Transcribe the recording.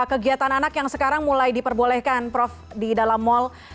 kegiatan anak yang sekarang mulai diperbolehkan prof di dalam mal